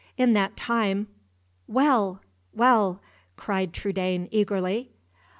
In that time " "Well! well!" cried Trudaine, eagerly.